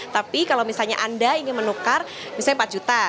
tapi kalau misalnya anda ingin menukar misalnya empat juta